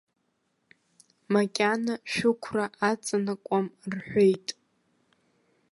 Макьана шәықәра аҵанакуам рҳәеит.